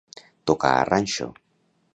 Tocar a ranxo.